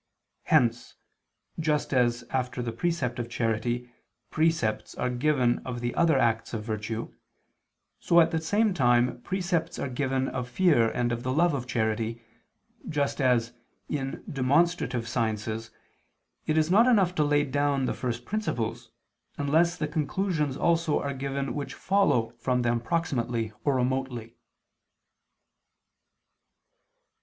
Hence, just as after the precept of charity, precepts are given of the other acts of virtue, so at the same time precepts are given of fear and of the love of charity, just as, in demonstrative sciences, it is not enough to lay down the first principles, unless the conclusions also are given which follow from them proximately or remotely.